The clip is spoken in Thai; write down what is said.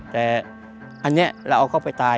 แต่อันนี้เราเอาเข้าไปตาย